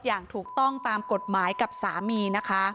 อย่างถูกต้องตามกฎหมายกับสามีนะคะ